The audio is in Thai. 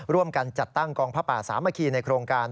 ร่วมกันจัดตั้งกองพระป่าสามัคคีในโครงการ